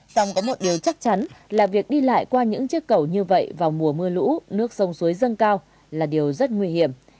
xong có một điều chắc chắn là việc đi lại qua những chiếc cầu như vậy vào mùa mưa lũ nước sông suối dâng cao là điều rất nguy hiểm